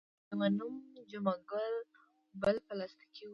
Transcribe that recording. د یوه نوم جمعه ګل بل پستکی وو.